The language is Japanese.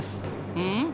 うん？